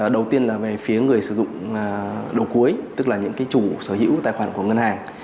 đầu tiên là về phía người sử dụng đầu cuối tức là những chủ sở hữu tài khoản của ngân hàng